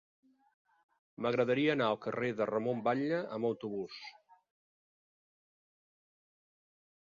M'agradaria anar al carrer de Ramon Batlle amb autobús.